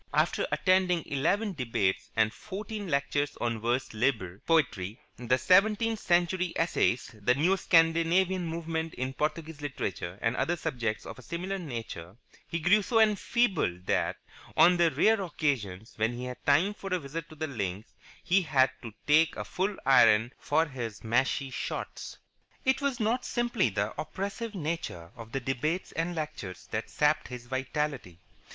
After attending eleven debates and fourteen lectures on vers libre Poetry, the Seventeenth Century Essayists, the Neo Scandinavian Movement in Portuguese Literature, and other subjects of a similar nature, he grew so enfeebled that, on the rare occasions when he had time for a visit to the links, he had to take a full iron for his mashie shots. It was not simply the oppressive nature of the debates and lectures that sapped his vitality.